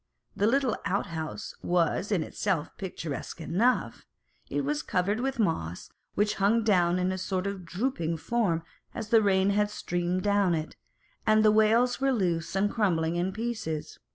The little outhouse was in itself picturesque enough : it was covered with moss, which hung down in a sort of drooping form as the rain had streamed down it, and the wails were loose and crumbling in pieces.